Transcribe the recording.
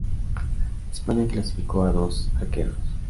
España clasificó a dos arqueros.